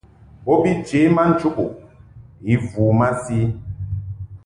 Bo bi chě ma nchubuʼ i vu masi.